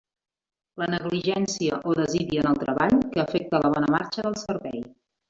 La negligència o desídia en el treball que afecte la bona marxa del servei.